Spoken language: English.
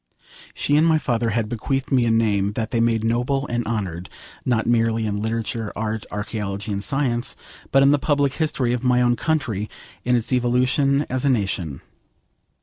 She and my father had bequeathed me a name they had made noble and honoured, not merely in literature, art, archaeology, and science, but in the public history of my own country, in its evolution as a nation.